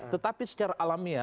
tetapi secara alamiah